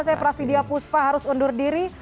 saya prasidya puspa harus undur diri